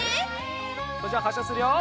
それじゃあはっしゃするよ！